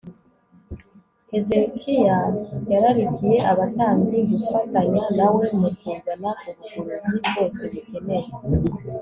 hezekiya yararikiye abatambyi gufatanya na we mu kuzana ubugorozi bwose bukenewe